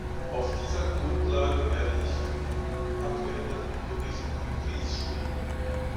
Auf dieser Grundlage werde ich für den abgeänderten Bericht Ries stimmen.